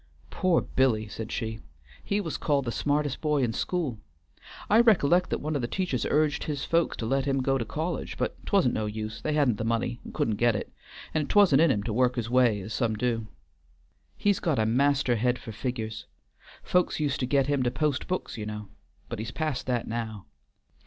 "Poor Billy!" said she, "he was called the smartest boy in school; I rec'lect that one of the teachers urged his folks to let him go to college; but 't wa'n't no use; they hadn't the money and couldn't get it, and 't wa'n't in him to work his way as some do. He's got a master head for figur's. Folks used to get him to post books you know, but he's past that now.